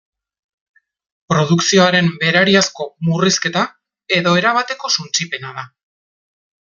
Produkzioaren berariazko murrizketa edo erabateko suntsipena da.